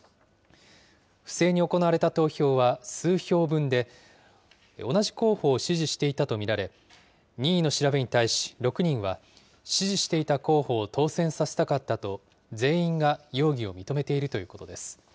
不正に行われた投票は数票分で、同じ候補を支持していたと見られ、任意の調べに対し６人は、支持していた候補を当選させたかったと、全員が容疑を認めているということです。